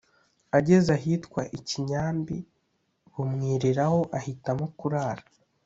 ageze ahitwa i Kinyambi bumwiriraho ahitamo kurara